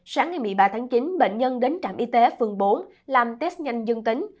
sáng ngày một mươi ba tháng chín bệnh nhân đến trạm y tế phường bốn làm test nhanh dương tính